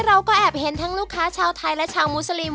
เราก็แอบเห็นทั้งลูกค้าชาวไทยและชาวมุสลิม